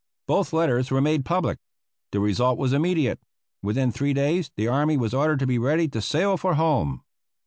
Both letters were made public. The result was immediate. Within three days the army was ordered to be ready to sail for home.